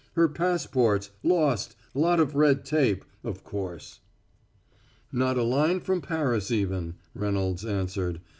"Her passports lost lot of red tape, of course." "Not a line from Paris even," Reynolds answered.